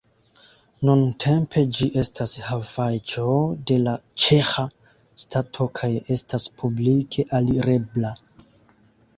Nuntempe ĝi estas havaĵo de la ĉeĥa stato kaj estas publike alirebla.